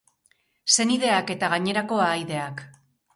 Senideak eta gainerako ahaideak.